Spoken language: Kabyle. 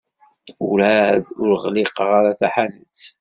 Werɛad ur ɣliqeɣ ara taḥanut.